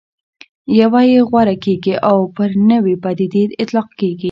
یوه یې غوره کېږي او پر نوې پدیدې اطلاق کېږي.